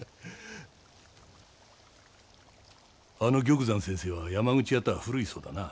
あの玉山先生は山口屋とは古いそうだな？